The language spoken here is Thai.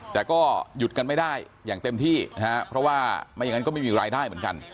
แต่ก็หยุดกันไม่ได้อย่างเต็มที่นะฮะเพราะว่าไม่อย่างนั้นก็ไม่มีรายได้เหมือนกัน